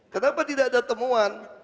kenapa tidak ada temuan